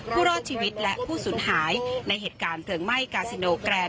รอดชีวิตและผู้สูญหายในเหตุการณ์เพลิงไหม้กาซิโนแกรน